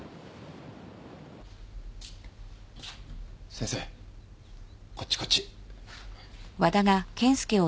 先生こっちこっち。